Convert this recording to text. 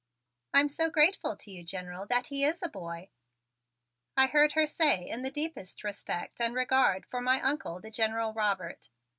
"I'm so grateful to you, General, that he is a boy," I heard her say in the deepest respect and regard for my Uncle, the General Robert.